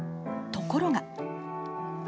ところが。